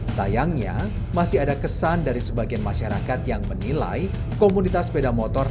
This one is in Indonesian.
sayangnya masih ada kesan dari sebagian masyarakat yang menilai komunitas sepeda motor